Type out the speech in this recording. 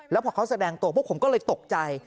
แล้วพอเขาแสดงตัวพวกผมก็เลยตกใจ